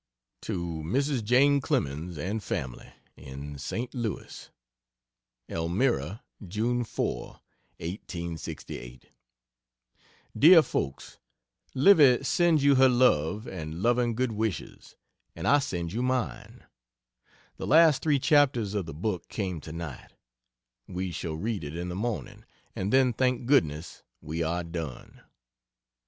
To Mrs. Jane Clemens and family, in St. Louis ELMIRA, June 4. (1868) DEAR FOLKS, Livy sends you her love and loving good wishes, and I send you mine. The last 3 chapters of the book came tonight we shall read it in the morning and then thank goodness, we are done.